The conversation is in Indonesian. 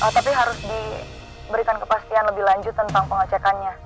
tapi harus diberikan kepastian lebih lanjut tentang pengecekannya